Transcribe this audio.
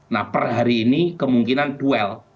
nah per hari ini kemungkinan duel